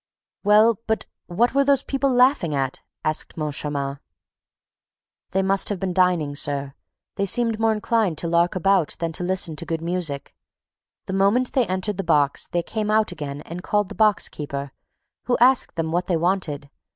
"Well, but what were those people laughing at?" asked Moncharmin. "They must have been dining, sir, and seemed more inclined to lark about than to listen to good music. The moment they entered the box, they came out again and called the box keeper, who asked them what they wanted.